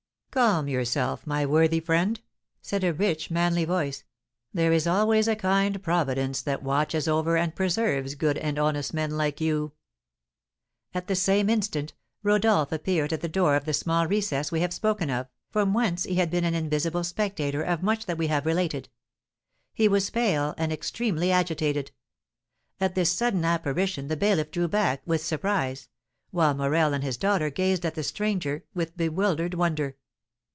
"Calm yourself, my worthy friend," said a rich, manly voice; "there is always a kind Providence that watches over and preserves good and honest men like you." At the same instant Rodolph appeared at the door of the small recess we have spoken of, from whence he had been an invisible spectator of much that we have related; he was pale, and extremely agitated. At this sudden apparition the bailiff drew back, with surprise; while Morel and his daughter gazed on the stranger with bewildered wonder.